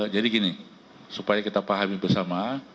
jadi gini supaya kita pahami bersama